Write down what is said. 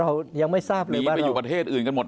เรายังไม่ทราบเลยหนีไปอยู่ประเทศอื่นกันหมด